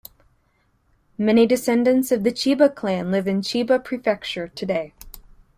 Many descendants of the Chiba clan live in Chiba Prefecture today.